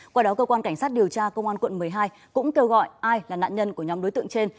qua đó cơ quan cảnh sát điều tra công an quận một mươi hai cũng kêu gọi ai là nạn nhân của nhóm đối tượng trên